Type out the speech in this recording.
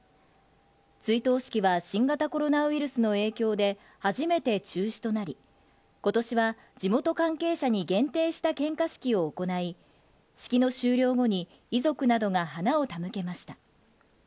追悼式は新型コロナウイルスの影響で初めて中止となり、ことしは地元関係者に限定した献花式を行い、式の終了後に遺族などが花を手向けました。